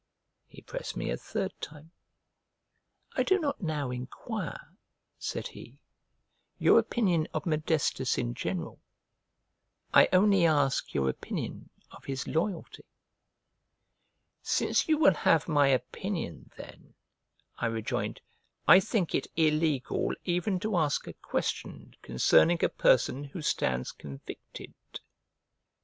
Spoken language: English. He pressed me a third time. "I do not now enquire," said he, "your opinion of Modestus in general, I only ask your opinion of his loyalty." "Since you will have my opinion then," I rejoined, "I think it illegal even to ask a question concerning a person who stands convicted."